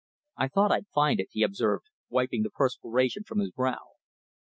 "I thought I'd find it," he observed, wiping the perspiration from his brow.